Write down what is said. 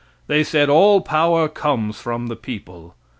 They said all power comes from the people.